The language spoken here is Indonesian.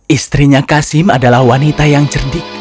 istrinya kasim adalah wanita yang cerdik